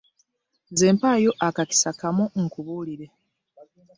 Nze mpaayo akakisa kamu nkubuulire.